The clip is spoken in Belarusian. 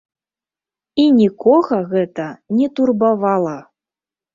І нікога гэта не турбавала.